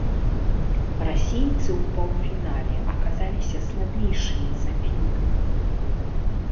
Расейцы ў паўфінале аказаліся слабейшымі за фінаў.